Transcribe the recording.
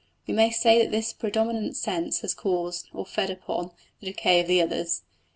We may say that this predominant sense has caused, or fed upon, the decay of the others.